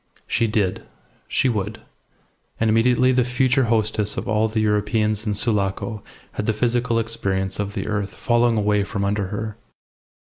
She did. She would. And immediately the future hostess of all the Europeans in Sulaco had the physical experience of the earth falling away from under her.